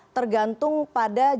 tergantung pada jangkaan